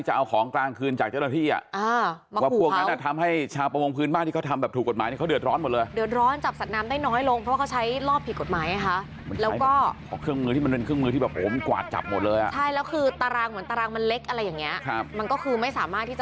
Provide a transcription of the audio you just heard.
จะเอาของกลางคืนจากเจ้าหน้าที่